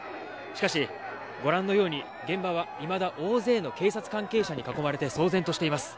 「しかしご覧のように現場はいまだ大勢の警察関係者に囲まれて騒然としています」